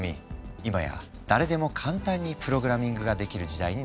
今や誰でも簡単にプログラミングができる時代になりつつある。